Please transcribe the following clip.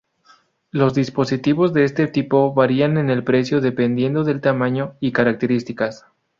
Los dispositivos de este tipo varían en el precio dependiendo del tamaño y características.